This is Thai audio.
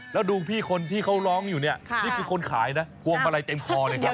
แล้วดูพี่คนที่เขาร้องอยู่เนี่ยนี่คือคนขายนะพวงมาลัยเต็มคอเลยครับ